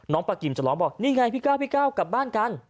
น้องปลากิ่มจะร้องบอกนี่ไงพี่กล้าวกลับบ้านกัน